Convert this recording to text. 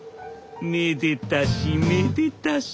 めでたしめでたし。